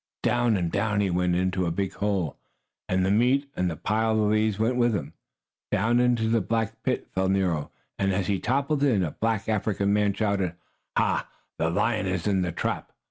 Down and down he went, into a big hole, and the meat and the pile of leaves went with him. Down into a black pit fell Nero, and, as he toppled in, a black African man shouted: "Ha! The lion is in the trap!